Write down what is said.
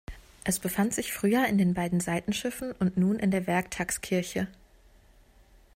Es befand sich früher in den beiden Seitenschiffen und nun in der Werktagskirche.